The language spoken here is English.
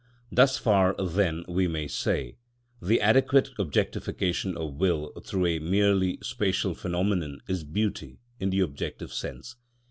Thus far then we may say: the adequate objectification of will through a merely spatial phenomenon is beauty, in the objective sense.